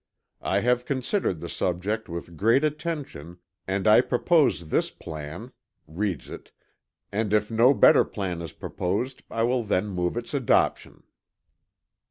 I have considered the subject with great attention and I propose this plan (reads it) and if no better plan is proposed I will then move its adoption."